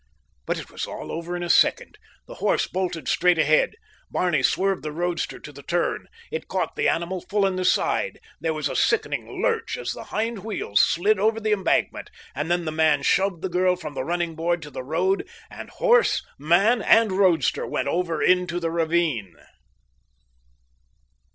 But it was all over in a second. The horse bolted straight ahead. Barney swerved the roadster to the turn. It caught the animal full in the side. There was a sickening lurch as the hind wheels slid over the embankment, and then the man shoved the girl from the running board to the road, and horse, man and roadster went over into the ravine.